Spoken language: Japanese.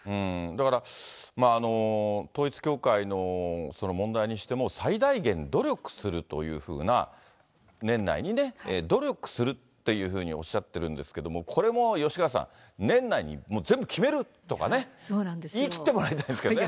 だから統一教会の問題にしても、最大限努力するというふうな、年内にね、努力するっていうふうにおっしゃってるんですけども、これも吉川さん、年内に、もう全部決めるとかね、言い切ってもらいたいんですけどね。